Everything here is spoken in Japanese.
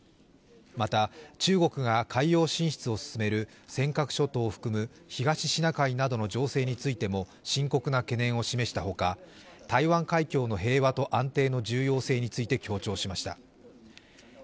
また、中国が海洋進出を進める尖閣諸島を含む東シナ海などの情勢についても深刻な懸念を示したほか、台湾海峡の平和と安定の重要性について強調しました。